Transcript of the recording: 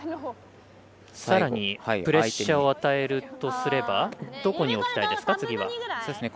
さらにプレッシャーを与えるとすれば次はどこに置きたいですか。